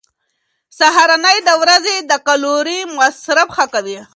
سهارنۍ د ورځې د کالوري مصرف ښه کوي.